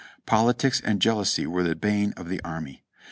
Politics and jealousy were the bane of the army.